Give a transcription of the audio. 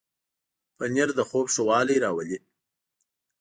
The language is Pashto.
پنېر د خوب ښه والی راولي.